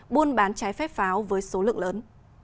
buôn bán trái phép pháo với số lượng lớn